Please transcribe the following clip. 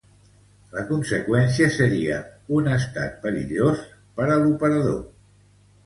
La conseqüència seria un estat perillós per a l'operador.